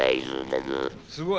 おすごい。